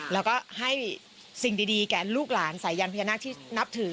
แล้วก็ให้สิ่งดีแก่ลูกหลานสายันพญานาคที่นับถือ